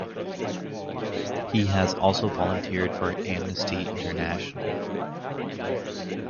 He has also volunteered for Amnesty International.